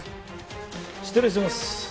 失礼します。